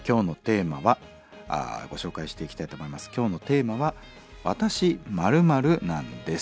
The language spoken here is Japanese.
今日のテーマは「わたし○○なんです」。